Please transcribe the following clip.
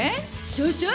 そうそう。